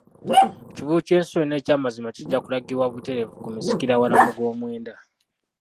Ekivvulu ky'ensi yonna eky'amazina kijja kulagibwa butereevu ku misikira wala mu gw'omwenda.